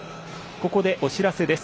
ここでお知らせです。